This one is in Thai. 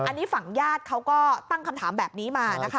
อันนี้ฝั่งญาติเขาก็ตั้งคำถามแบบนี้มานะคะ